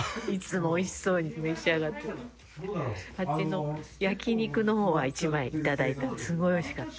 あっちの焼肉の方は１枚いただいたのですごいおいしかった。